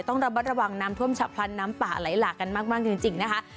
ต้องระมัดระวังน้ำท่วมฉับพลันน้ำป่าไหลหลากกันมากจริงนะคะ